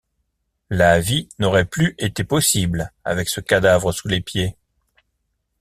La vie n’aurait plus été possible, avec ce cadavre sous les pieds.